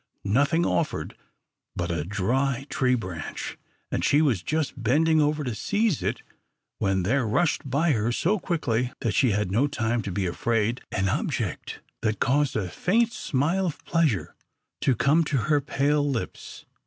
Nothing offered but a dry tree branch, and she was just bending over to seize it when there rushed by her, so quickly that she had no time to be afraid, an object that caused a faint smile of pleasure to come to her pale lips.